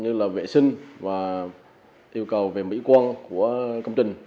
như là vệ sinh và yêu cầu về mỹ quan của công trình